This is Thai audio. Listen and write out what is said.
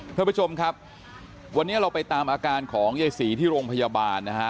ท่านผู้ชมครับวันนี้เราไปตามอาการของยายศรีที่โรงพยาบาลนะฮะ